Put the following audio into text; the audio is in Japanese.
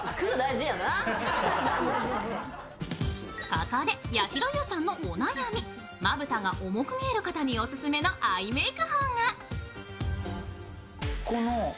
ここでやしろ優さんのお悩み、まぶたが重く見える方におすすめのアイメーク法が。